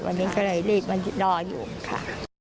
วันนี้ก็เลยรีบมารออยู่ค่ะ